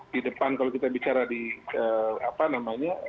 di depan kalau kita bicara di apa namanya